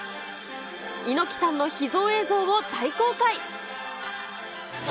猪木さんの秘蔵映像を大公開。